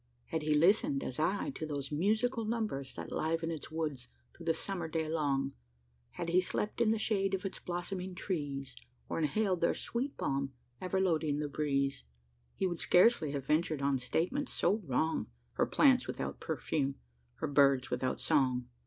Had he listened, as I, to those musical numbers That liven its woods through the summer day long Had he slept in the shade of its blossoming trees, Or inhaled their sweet balm ever loading the breeze, He would scarcely have ventured on statement so wrong "Her plants without perfume, her birds without song."